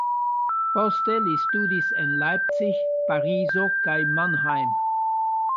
Poste li studis en Leipzig, Parizo kaj Mannheim.